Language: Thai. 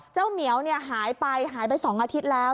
เจ้าเหมียวเนี่ยหายไปหายไปสองอาทิตย์แล้ว